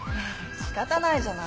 しかたないじゃない。